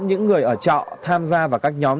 những người ở trọ tham gia vào các nhóm